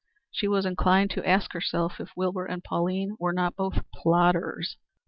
She was inclined to ask herself if Wilbur and Pauline were not both plodders.